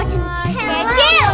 itu dalam mulutnya